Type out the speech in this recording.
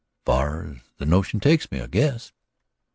"As far as the notion takes me, I guess."